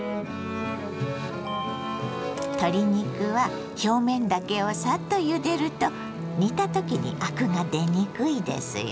鶏肉は表面だけをサッとゆでると煮た時にアクが出にくいですよ。